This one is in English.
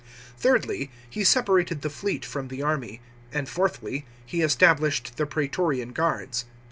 Thirdly, he separated the fleet from the army ; and fourthly, he established the praetorian guards.